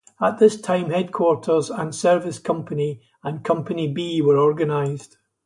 At this time, Headquarters and Service Company and Company B were organized.